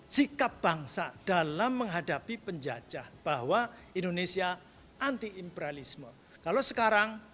sikap bangsa dalam menghadapi penjajah bahwa indonesia anti imperalisme kalau sekarang